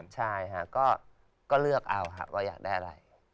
ใช่ค่ะก็เลือกเอาครับว่าอยากได้อะไร